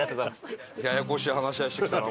ややこしい話し合いしてきたな。